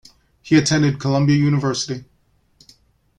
He attended Columbia University.